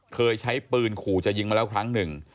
เคยใช้ปืนขู่จะยิงมาแล้วครั้งหนึ่ง